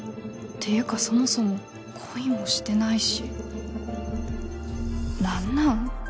ていうかそもそも恋もしてないし何なん？